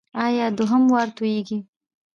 ایا دوهم وار توییږي؟